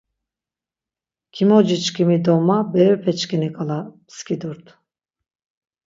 Kimociçkimi do ma berepeçkini şǩala pskidurt.